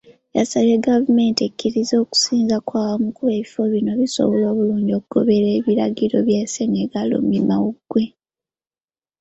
Yasabye gavumenti ekkirize okusinza okwawamu kuba ebifo bino bisobola bulungi okugoberera ebiragiro bya ssennyiga Lumiimamawuggwe.